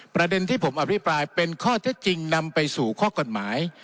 ประเด็นที่ผมอภิปรายเป็นข้อเท็จจริงนำไปสู่ข้อกฎหมาย